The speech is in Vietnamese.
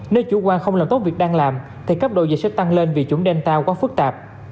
nếu chủ quan không làm tốt việc đang làm thì cấp độ dịch sẽ tăng lên vì chủng delta quá phức tạp